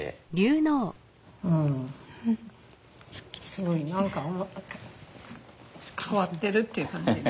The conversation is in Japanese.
すごい何か変わってるっていう感じ。